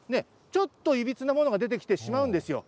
ちょっといびつなものが出てきてしまうんですよ。